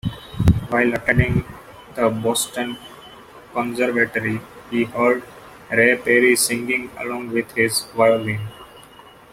While attending the Boston Conservatory, he heard Ray Perry singing along with his violin.